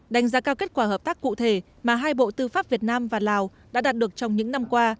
đánh giá cao kết quả hợp tác cụ thể mà hai bộ tư pháp việt nam và lào đã đạt được trong những năm qua